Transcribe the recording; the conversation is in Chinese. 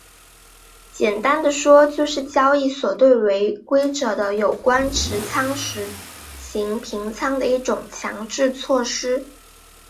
简单地说就是交易所对违规者的有关持仓实行平仓的一种强制措施。